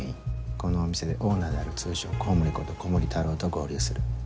このお店でオーナーである通称「コウモリ」こと古森太郎と合流する。